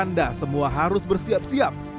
ini adalah tanda semua harus bersiap siap